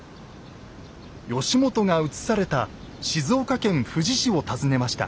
義元が移された静岡県富士市を訪ねました。